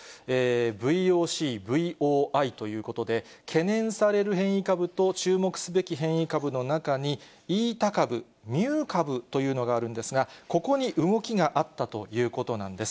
ＶＯＣ、ＶＯＩということで、懸念される変異株と、注目すべき変異株の中にイータ株、ミュー株というのがあるんですが、ここに動きがあったということなんです。